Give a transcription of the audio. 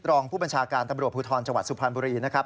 รองผู้บัญชาการตำรวจภูทรจังหวัดสุพรรณบุรีนะครับ